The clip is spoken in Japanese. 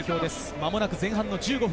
間もなく前半１５分。